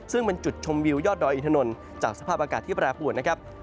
ซึ่งเป็นจุดชมวิวยอดดอยอินถนนจากสภาพอากาศที่แปรปวดนะครับ